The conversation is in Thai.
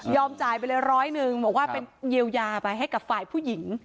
จ่ายไปเลยร้อยหนึ่งบอกว่าเป็นเยียวยาไปให้กับฝ่ายผู้หญิง